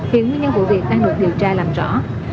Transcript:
khiến nguyên nhân của việc đang được điều tra làm rõ